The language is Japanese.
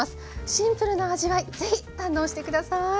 シンプルな味わいぜひ堪能して下さい。